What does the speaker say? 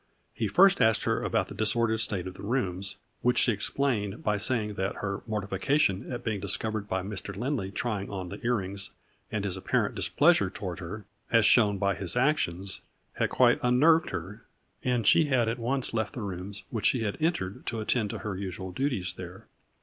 He first asked her about the disordered state of the rooms, which she explained, by saying that her mortification at being discovered, by Mr. Lindley, trying on the earrings and his apparent displeasure toward her, as shown by his actions, had quite unnerved her, and she had at once left the rooms which she had entered to attend to her usual duties there.